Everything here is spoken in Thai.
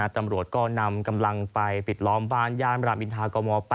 ตำรวจก็นำกำลังไปปิดล้อมบ้านย่านรามอินทากม๘